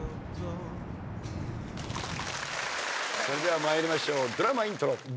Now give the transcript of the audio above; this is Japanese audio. それでは参りましょうドラマイントロ。